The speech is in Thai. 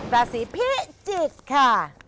ราศีพิจิตรค่ะ